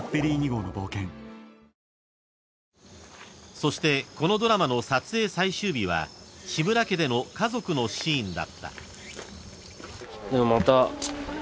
［そしてこのドラマの撮影最終日は志村家での家族のシーンだった］